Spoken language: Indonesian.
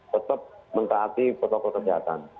tetap mengekati protokol kesehatan